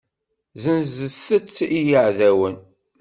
Zzenzen-tt i yeεdawen.